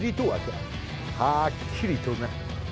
はっきりとな。